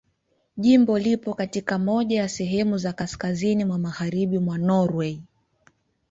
Jimbo lipo katika moja ya sehemu za kaskazini mwa Magharibi mwa Norwei.